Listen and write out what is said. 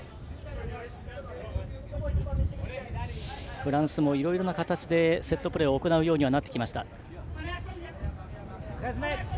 フランスもいろいろな形でセットプレーを行うようになってきました。